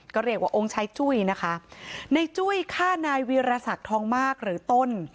ก็เรียกว่าองค์ชายจุ้ยนะคะในจุ้ยฆ่านายวีรศักดิ์ทองมากหรือต้น